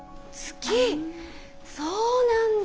そうなんだ。